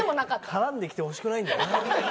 絡んできてほしくないんだよな。